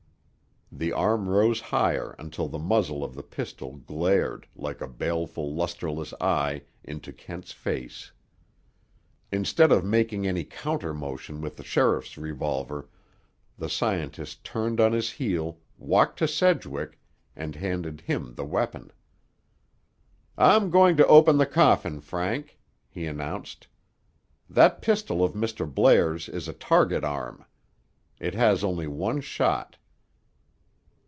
The arm rose higher until the muzzle of the pistol glared, like a baleful lusterless eye, into Kent's face. Instead of making any counter motion with the sheriff's revolver, the scientist turned on his heel, walked to Sedgwick, and handed him the weapon. "I'm going to open the coffin, Frank," he announced. "That pistol of Mr. Blair's is a target arm. It has only one shot."